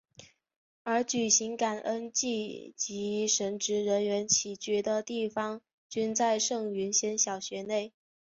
而举行感恩祭及神职人员起居的地方均在圣云仙小学内。